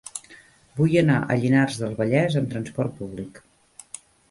Vull anar a Llinars del Vallès amb trasport públic.